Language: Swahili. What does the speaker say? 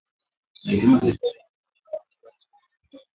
Alisema serikali iliwanyima kibali cha kufanya mkutano